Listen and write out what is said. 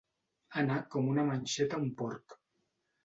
Anar com una manxeta a un porc.